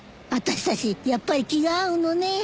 私たちやっぱり気が合うのね。